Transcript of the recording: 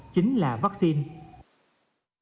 chính là vaccine